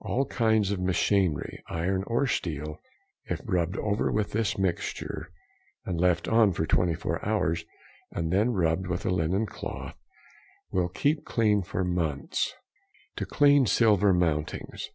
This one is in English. All kinds of machinery, iron or steel, if rubbed over with this mixture, and left on for 24 hours, and then rubbed with a linen cloth, will keep clean for months. _To clean silver mountings.